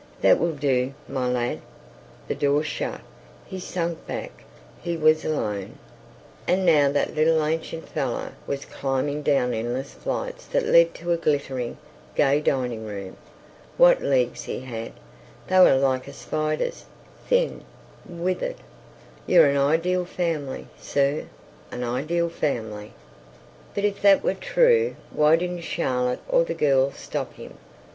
"That will do, my lad." The door shut, he sank back, he was alone.... And now that little ancient fellow was climbing down endless flights that led to a glittering, gay dining room. What legs he had! They were like a spider's—thin, withered. "You're an ideal family, sir, an ideal family." But if that were true, why didn't Charlotte or the girls stop him?